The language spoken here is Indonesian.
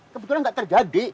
kebetulan nggak terjadi